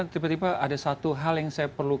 tiba tiba ada satu hal yang saya perlu